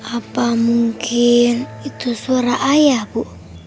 apa mungkin itu suara ayah bu